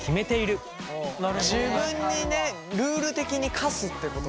自分にねルール的に課すってことか。